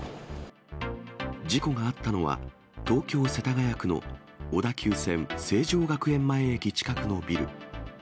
事故があったのは、東京・世田谷区の小田急線成城学園前駅近くのビル。